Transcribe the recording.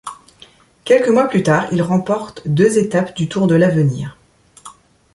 Quelques mois plus tard il remporte deux étapes du Tour de l'Avenir.